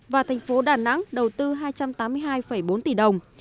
và thành phố đà nẵng đầu tư hai trăm tám mươi hai bốn tỷ đồng